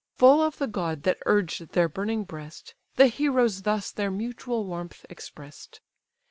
Full of the god that urged their burning breast, The heroes thus their mutual warmth express'd.